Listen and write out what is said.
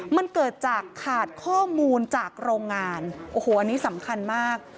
มันเกิดจากขาดข้อมูลจากโรงงานโอ้โหอันนี้สำคัญมาก